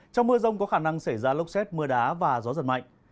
trong mưa rông có khả năng xảy ra lốc xét mưa đá và gió giật mạnh